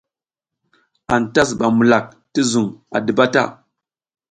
Anta zuɓam mulak ti zuƞ a diba ta.